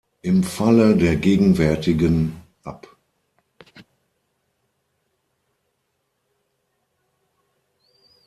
Im Falle der gegenwärtigen Ap.